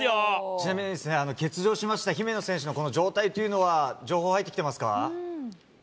ちなみに、欠場しました姫野選手の状態っていうのは、情報入ってきてますか？